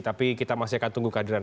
tapi kita masih akan tunggu kehadiran